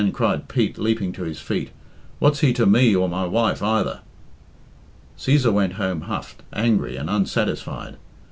cried Pete, leaping to his feet. "What's he to me or my wife either?" Cæsar went home huffed, angry, and unsatisfied.